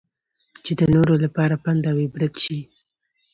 چې د نورو لپاره پند اوعبرت شي.